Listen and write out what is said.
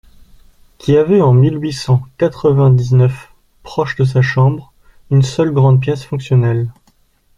Qui avait en mille huit cent quatre-vingt-dix-neuf proche de sa chambre, une seule grande pièce fonctionnelle.